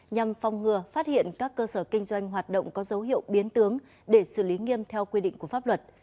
nhằm phong ngừa phát hiện các cơ sở kinh doanh hoạt động có dấu hiệu biến tướng để xử lý nghiêm theo quy định của pháp luật